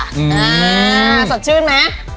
อ่าสดชื่นไหม